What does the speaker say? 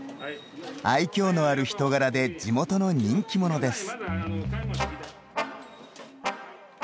愛きょうのある人柄で地元の人気者です。